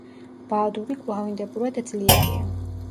ბაადური კვლავინდებურად ძლიერია.